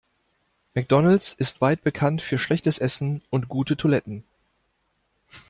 McDonald's ist weit bekannt für schlechtes Essen und gute Toiletten.